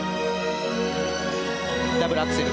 ダブルアクセル。